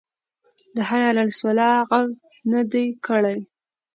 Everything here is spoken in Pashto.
د حی علی الصلواه غږ نه دی کړی.